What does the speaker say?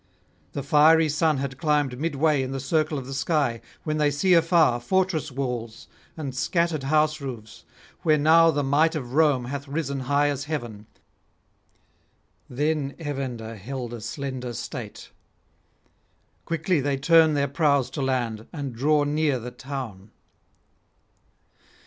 The fiery sun had climbed midway in the circle of the sky when they see afar fortress walls and scattered house roofs, where now the might of Rome hath risen high as heaven; then Evander held a slender state. Quickly they turn their prows to land and draw near the town.